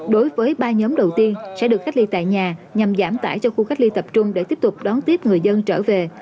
đối với ba nhóm đầu tiên sẽ được cách ly tại nhà nhằm giảm tải cho khu cách ly tập trung để tiếp tục đón tiếp người dân trở về